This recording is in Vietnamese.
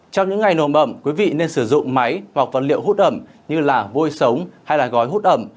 trong những ngày nồm ẩm quý vị nên sử dụng máy hoặc vật liệu hút ẩm như là vôi sống hay là gói hút ẩm